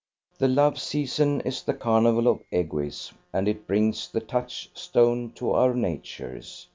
The love season is the carnival of egoism, and it brings the touchstone to our natures.